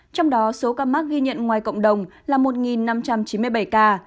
trong đó số ca mắc ghi nhận ngoài cộng đồng là một năm trăm chín mươi bảy ca